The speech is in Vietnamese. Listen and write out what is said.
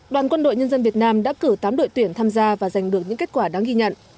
đoàn quân đội nhân dân việt nam đã cử tám đội tuyển tham gia và giành được những kết quả đáng ghi nhận